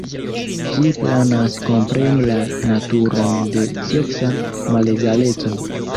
Ĝi planas kompreni la naturon de seksa malegaleco.